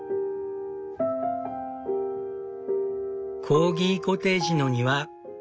コーギコテージの庭。